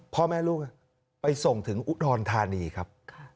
พ่อแม่ลูกไปส่งถึงอุดรธานีครับ